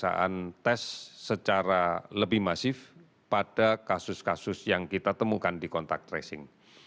pemerintah yang diperlukan untuk melakukan pemeriksaan tes secara lebih masif pada kasus kasus yang kita temukan di kontak tracing